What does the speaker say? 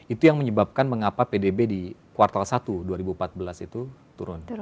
itu yang menyebabkan mengapa pdb di kuartal satu dua ribu empat belas itu turun